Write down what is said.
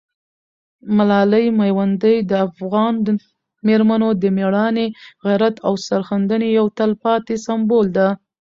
ملالۍ میوندۍ د افغان مېرمنو د مېړانې، غیرت او سرښندنې یو تلپاتې سمبول ده.